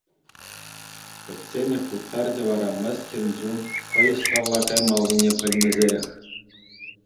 Пӗчченех уттарчӗ вара мӗскӗн чун хӑй ӑҫталла каймаллине пӗлмесӗрех.